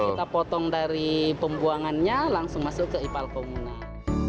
kita potong dari pembuangannya langsung masuk ke ipal komunal